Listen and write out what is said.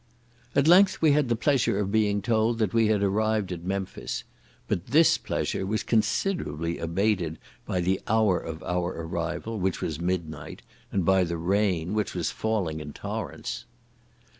At length we had the pleasure of being told that we had arrived at Memphis; but this pleasure was considerably abated by the hour of our arrival, which was midnight, and by the rain, which was falling in torrents.